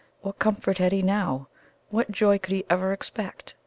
What comfort had he now? What joy could he ever expect?